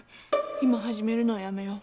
今始めるのはやめよう。